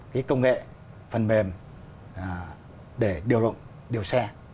cái công nghệ phần mềm để điều xe